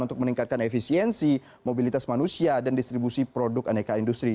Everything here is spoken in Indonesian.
untuk meningkatkan efisiensi mobilitas manusia dan distribusi produk aneka industri